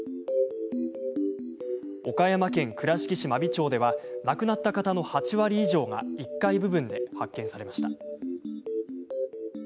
岡山県倉敷市真備町では亡くなった方の８割以上が１階部分で発見されました。